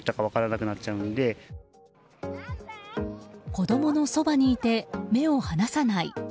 子供のそばにいて目を離さない。